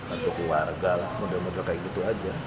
untuk warga lah mudah mudah kayak gitu aja